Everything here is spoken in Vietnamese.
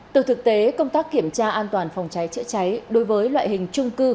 từ thực tế công tác kiểm tra an toàn phòng cháy chữa cháy đối với loại hình trung cư